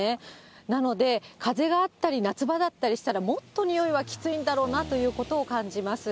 なので、風があったり夏場だったりしたら、もっと臭いはきついんだろうなということを感じます。